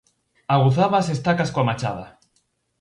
Aguzaba as estacas coa machada.